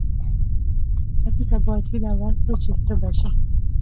ټپي ته باید هیله ورکړو چې ښه به شي.